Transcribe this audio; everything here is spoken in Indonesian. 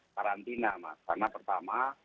karantina karena pertama